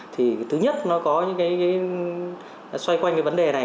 thứ nhất nó có những cái xoay quanh vấn đề này